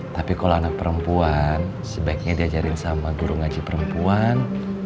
tapi kalau anak perempuan sebaiknya diajarin sama guru ngaji perempuan